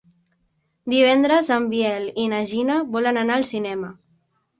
Divendres en Biel i na Gina volen anar al cinema.